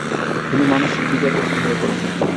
তিনি মানসিক বিকারগ্রস্ত হয়ে পড়েন।